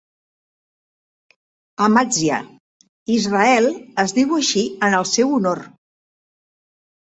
Amatzia, Israel es diu així en el seu honor.